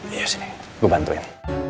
iya sini gue bantuin